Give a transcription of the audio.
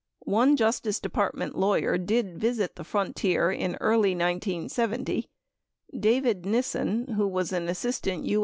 One Justice Department lawyer did visit the Frontier in early 1970. David Nissen, who was an assistant U.